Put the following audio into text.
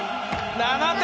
７点！